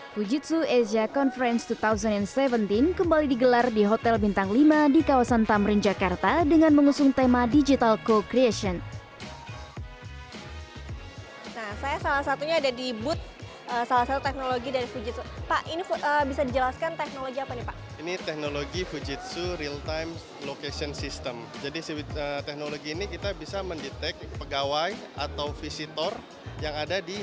fujitsu asia conference dua ribu tujuh belas kembali digelar di hotel bintang lima di kawasan tamrin jakarta dengan mengusung tema digital co creation